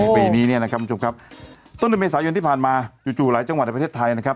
ปีนี้เนี่ยนะครับคุณผู้ชมครับต้นเดือนเมษายนที่ผ่านมาจู่หลายจังหวัดในประเทศไทยนะครับ